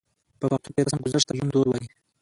په پښتو کې رسمګذشت ته يوندود وايي.